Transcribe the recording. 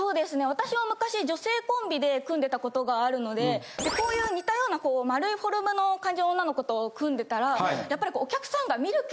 私は昔女性コンビで組んでたことがあるのでこういう似たような丸いフォルムの感じの女の子と組んでたらやっぱりこう。